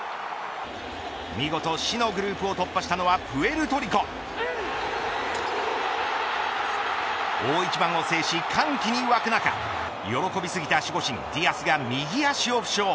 見事死のグループを突破したのはプエルトリコ大一番を制し、歓喜に沸く中喜びすぎた守護神ギアスが右足を負傷。